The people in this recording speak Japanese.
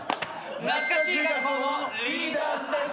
懐かしい学校のリーダーズです。